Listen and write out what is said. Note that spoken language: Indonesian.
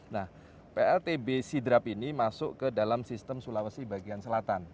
nah pltb sidrap ini masuk ke dalam sistem sulawesi bagian selatan